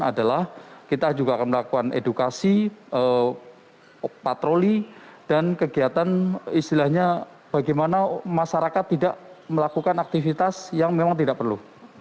adalah kita juga akan melakukan edukasi patroli dan kegiatan istilahnya bagaimana masyarakat tidak melakukan aktivitas yang memang tidak perlu